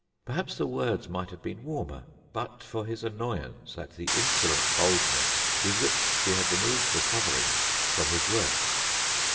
Perhaps the words might have been warmer, but for his annoyance at the insolent boldness with which she had removed the coverings from his works.